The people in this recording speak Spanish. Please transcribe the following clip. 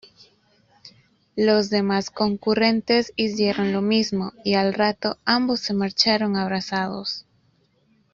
Los demás concurrentes hicieron lo mismo y al rato ambos se marcharon abrazados.